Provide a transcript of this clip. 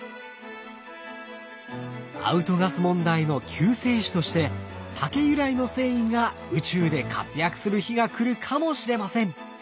アウトガス問題の救世主として竹由来の繊維が宇宙で活躍する日が来るかもしれません。